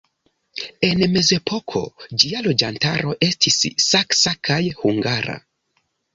En mezepoko ĝia loĝantaro estis saksa kaj hungara.